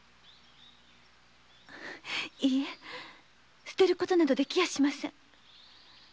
いいえ捨てることなどできやしません。